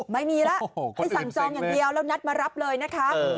ไม่มีแล้วให้สั่งซองอย่างเดียวแล้วนัดมารับเลยนะคะ